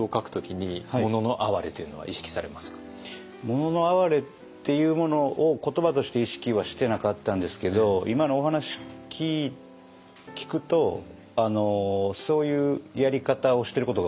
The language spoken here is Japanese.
「もののあはれ」っていうものを言葉として意識はしてなかったんですけど今のお話聞くとそういうやり方をしてることが多いですね。